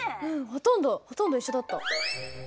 ほとんどほとんど一緒だった。